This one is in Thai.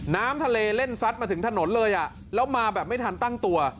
น้ำทะเลเล่นซัดมาถึงถนนเลยอ่ะแล้วมาแบบไม่ทันตั้งตัว